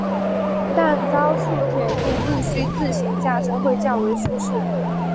但高速铁路毋须自行驾车会较为舒适。